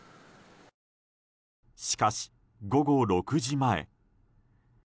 しかし、午後６時前。